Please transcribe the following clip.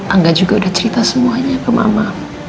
angga juga udah cerita semuanya ke mama